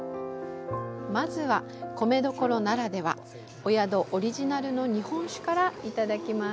まずは、米どころならでは、お宿オリジナルの日本酒からいただきます。